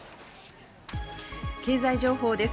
経済情報です。